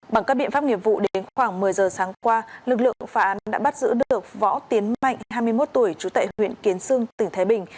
bằng các biện pháp nghiệp vụ đến khoảng một mươi giờ sáng qua lực lượng phá án đã bắt giữ được võ tiến mạnh hai mươi một tuổi trú tại huyện kiến sương tỉnh thái bình